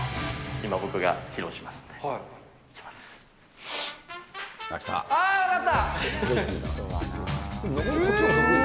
今、僕が披露しますんで。